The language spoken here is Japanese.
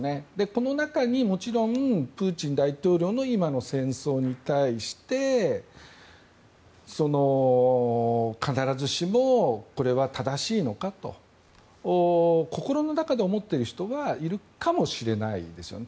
この中にもちろんプーチン大統領の今の戦争に対して必ずしもこれは正しいのかと心の中で思っている人がいるかもしれないですよね。